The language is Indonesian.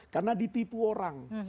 karena ditipu orang